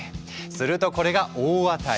するとこれが大当たり。